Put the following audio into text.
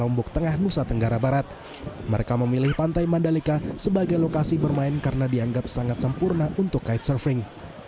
mereka memilih pantai mandalika sebagai lokasi bermain karena dianggap sangat sempurna untuk kitesurfing